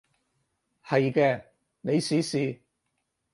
係嘅，你試試